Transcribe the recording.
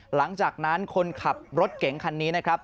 หลังจากนั้นคนขับรถเก๋งคันนี้นะครับ